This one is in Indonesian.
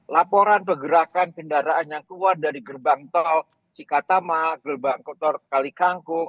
laporan pergerakan kendaraan yang keluar dari gerbang tol cikatama gerbang kotor kali kangkung